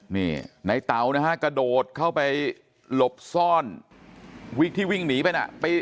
นี่ในเต๋านะฮะกระโดดเข้าไปหลบซ่อนวิกที่วิ่งหนีไปน่ะปีน